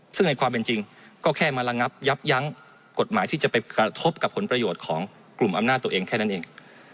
ซึ่งในความเป็นจริงก็แค่มาระงับยับยั้งกฎหมายที่จะไปกระทบกับผลประโยชน์ของกลุ่มอำนาจตัวเองแค่นั้นเอง